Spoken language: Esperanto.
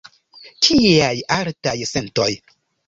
Kiaj altaj sentoj!